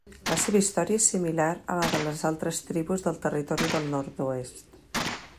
La seva història és similar a la de les altres tribus del Territori del Nord-oest.